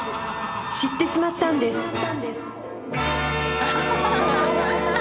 知ってしまったんです］